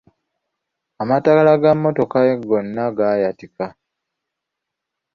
Amataala ga mmotoka gonna gaayatika.